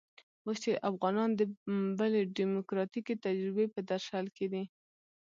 اوس چې افغانان د بلې ډيموکراتيکې تجربې په درشل کې دي.